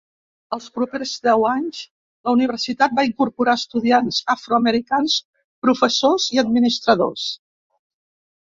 Els propers deu anys, la Universitat va incorporar estudiants afroamericans, professors i administradors.